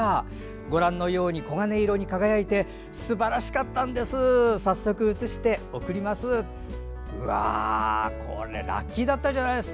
ご覧のように黄金色に輝いてすばらしかったんです。